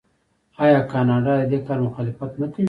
آیا کاناډا د دې کار مخالفت نه کوي؟